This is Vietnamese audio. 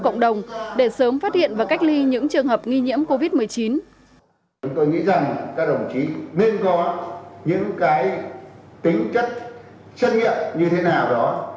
cộng đồng để sớm phát hiện và cách ly những trường hợp nghi nhiễm covid một mươi chín